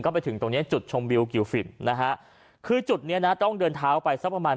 ไปถึงตรงเนี้ยจุดชมวิวกิวฟินนะฮะคือจุดเนี้ยนะต้องเดินเท้าไปสักประมาณ